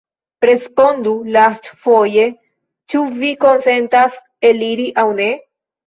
Respondu lastfoje, ĉu vi konsentas eliri aŭ ne?